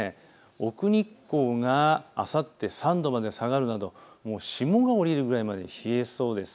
奥日光があさって３度まで下がるなど霜が降りるぐらいまで冷えそうです。